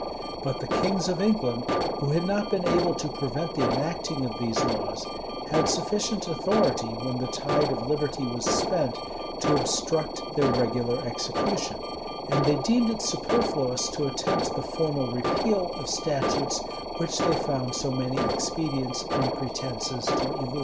But the kings of England, who had not been able to prevent the enacting of these laws, had sufficient authority, when the tide of liberty was spent, to obstruct their regular execution; and they deemed it superfluous to attempt the formal repeal of statutes which they found so many expedients and pretences to elude.